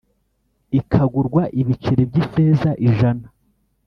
ikagurwa ibiceri by ifeza ijana